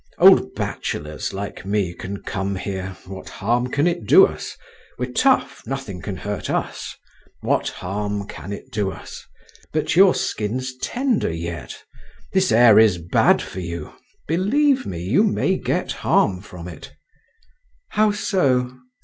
Old bachelors, like me, can come here, what harm can it do us! we're tough, nothing can hurt us, what harm can it do us; but your skin's tender yet—this air is bad for you—believe me, you may get harm from it." "How so?"